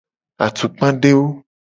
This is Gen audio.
Atukpadewo.